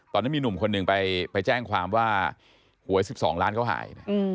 ตอนนั้นมีหนุ่มคนหนึ่งไปแจ้งความว่าหวย๑๒ล้านเขาหาย